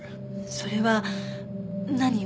それは何を？